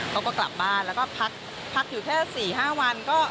เขาก็กลับบ้านแล้วก็พักอยู่แค่๔๕วัน